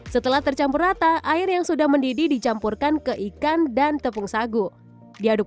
setelah tercampur rata air yang sudah mendidih dicampurkan ke ikan dan tepung sagu diaduk